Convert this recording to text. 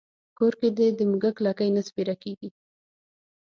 کور کې دې د موږک لکۍ نه سپېره کېږي.